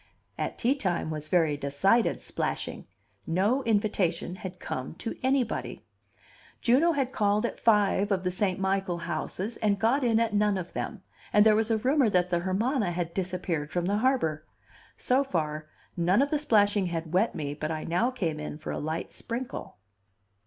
At tea time was very decided splashing. No invitation had come to anybody. Juno had called at five of the St. Michael houses and got in at none of them, and there was a rumor that the Hermana had disappeared from the harbor. So far, none of the splashing had wet me but I now came in for a light sprinkle.